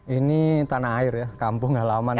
ini tanah air ya kampung halaman